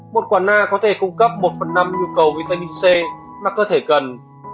một quả na có thể cung cấp một phần năm nhu cầu vitamin c mà cơ thể cần